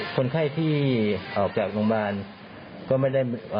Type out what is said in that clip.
คนไข้ที่ออกจากโรงพยาบาลก็ไม่ได้